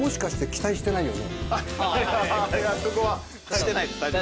してないです。